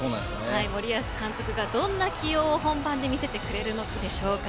森保監督がどんな起用を、本番で見せてくれるのでしょうか。